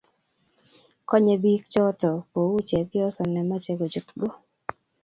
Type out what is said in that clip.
igonyi biik choto kuu chepyoso ne mache kochut go